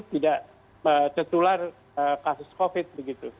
tidak tertular kasus covid begitu